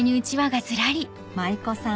舞妓さん